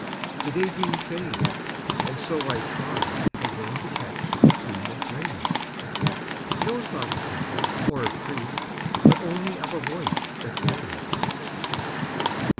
The day dream fades and so I try Again to catch the tune that brings No thought of temple nor of priest, But only of a voice that sings.